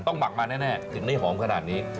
หมักมาแน่ถึงได้หอมขนาดนี้